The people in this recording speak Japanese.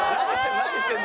何してんの？